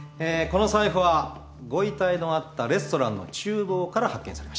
この財布はご遺体のあったレストランの厨房から発見されました。